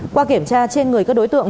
qua kiểm tra trên người các đối tượng